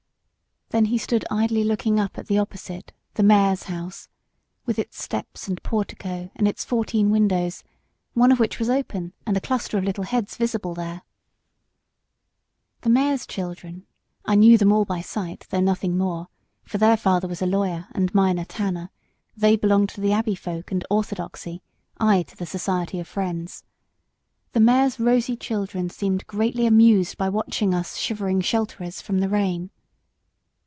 Then he stood idly looking up at the opposite the mayor's house, with its steps and portico, and its fourteen windows, one of which was open, and a cluster of little heads visible there. The mayor's children I knew them all by sight, though nothing more; for their father was a lawyer, and mine a tanner; they belonged to Abbey folk and orthodoxy, I to the Society of Friends the mayor's rosy children seemed greatly amused by watching us shivering shelterers from the rain.